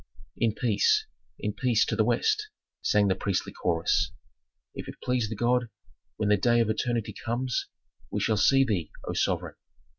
"In peace, in peace to the West," sang the priestly chorus. "If it please the god, when the day of eternity comes, we shall see thee, O sovereign!